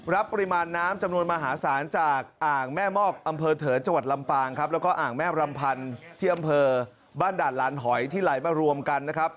รับปริมาณน้ำจำนวนมหาศาลจากอ่างแม่มอกอำเภอเถิดจังหวัดลำปางครับแล้วก็อ่างแม่รำพันธ์ที่อำเภอบ้านด่านลานหอยที่ไหลมารวมกันนะครับ